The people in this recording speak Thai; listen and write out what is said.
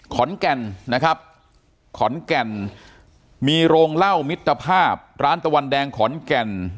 ขอนแก่นนะครับขอนแก่นมีโรงเหล้ามิตรภาพร้านตะวันแดงขอนแก่น